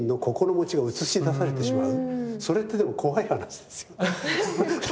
それってでも怖い話ですよね。